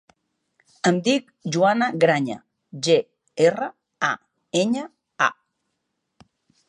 Em dic Joana Graña: ge, erra, a, enya, a.